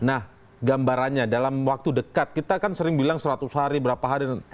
nah gambarannya dalam waktu dekat kita kan sering bilang seratus hari berapa hari